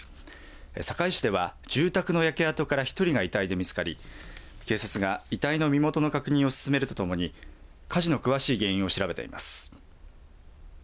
坂井市では、住宅の焼け跡から１人が遺体で見つかり警察が遺体の身元の確認を進めるとともに火事の詳しい原因を調べています。